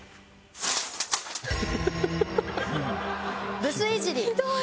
ブスいじり。